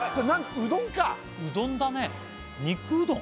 うどんかうどんだね肉うどん？